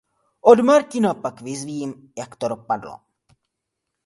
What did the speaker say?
Od Martina pak vyzvím, jak to dopadlo.